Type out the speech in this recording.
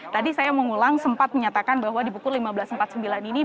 tadi saya mengulang sempat menyatakan bahwa di pukul lima belas empat puluh sembilan ini